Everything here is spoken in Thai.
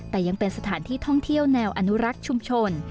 แต่ยังเป็นสถานที่ท่องเที่ยวแนวอนุรักษ์ชุมชน